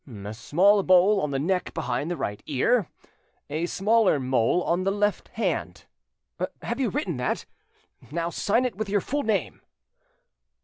"'A small mole on the neck behind the right ear, a smaller mole on the left hand.' "Have you written that? Now sign it with your full name."